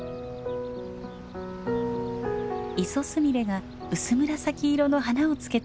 イソスミレが薄紫色の花をつけています。